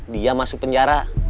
dia masuk penjara